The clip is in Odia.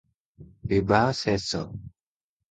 ବିବାହ ଶେଷ ।